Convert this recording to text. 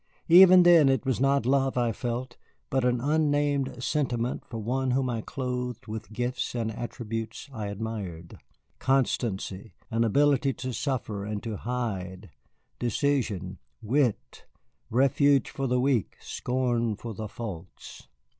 Even then it was not love I felt, but an unnamed sentiment for one whom I clothed with gifts and attributes I admired: constancy, an ability to suffer and to hide, decision, wit, refuge for the weak, scorn for the false.